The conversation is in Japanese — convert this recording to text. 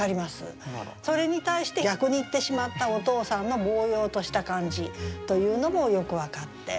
それに対して逆に行ってしまったお父さんのぼう洋とした感じというのもよく分かって。